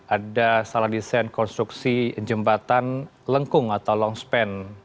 ada salah desain konstruksi jembatan lengkung atau long span